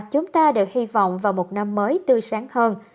chúng ta đều hy vọng vào một năm mới tươi sáng hơn